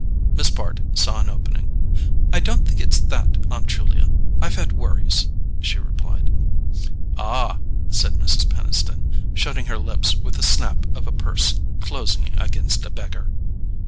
Miss Bart saw an opening. "I don't think it's that, Aunt Julia; I've had worries," she replied. "Ah," said Mrs. Peniston, shutting her lips with the snap of a purse closing against a beggar.